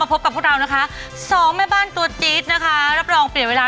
มาพบกับพวกเรานะคะ๒แม่บ้านตัวจิ๊ดรับรองเปลี่ยนเวลา